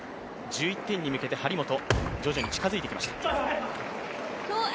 １１点に向けて、張本徐々に近づいてきました。